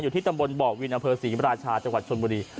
อยู่ที่ตำบลบ่อบวินอเภอศรีราชาจังหวัดชลบุรี